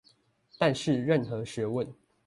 但是任何學問